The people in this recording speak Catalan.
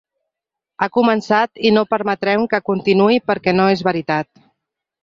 Ha començat i no permetrem que continuï perquè no és veritat.